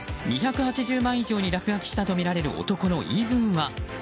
２８０枚以上に落書きしたとみられる男の言い分は。